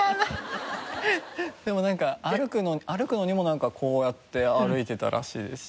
でもなんか歩くのにもなんかこうやって歩いてたらしいですし。